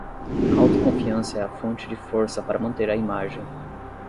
Autoconfiança é a fonte de força para manter a imagem